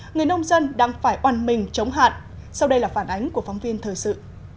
người nông dân đang phải oan mình chống hạn sau đây là phản ánh của phóng viên thời sự